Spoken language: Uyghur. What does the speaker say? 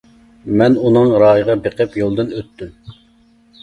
مەن ئۇنىڭ رايىغا بېقىپ يولدىن ئۆتتۈم.